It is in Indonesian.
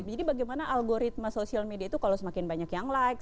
jadi bagaimana algoritma social media itu kalau semakin banyak yang like